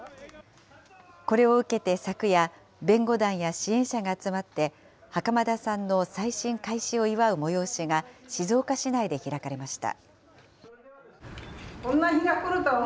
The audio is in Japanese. これを受けて昨夜、弁護団や支援者が集まって、袴田さんの再審開始を祝う催しが静岡市内で開かれました。